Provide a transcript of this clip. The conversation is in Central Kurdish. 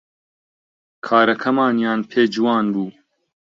کارەکەمانیان پێ جوان بوو